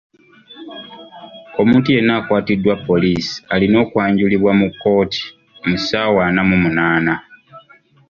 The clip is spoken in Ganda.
Omuntu yenna akwatiddwa poliisi alina okwanjulibwa mu kkooti mu ssaawa ana mu munaana.